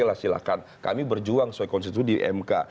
dan kami kalah di parlemen